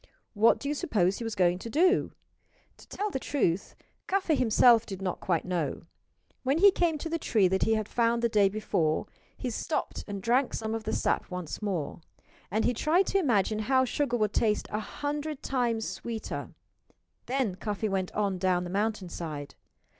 What do you suppose he was going to do? To tell the truth, Cuffy himself did not quite know. When he came to the tree that he had found the day before he stopped and drank some of the sap once more; and he tried to imagine how sugar would taste a hundred times sweeter. Then Cuffy went on down the mountainside.